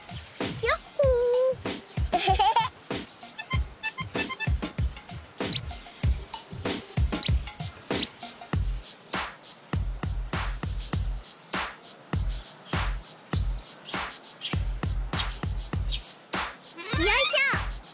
よいしょ！